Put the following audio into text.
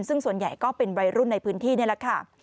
ซึ่งส่วนใหญ่ก็เป็นวัยรุ่นในพื้นที่นี่แหละค่ะ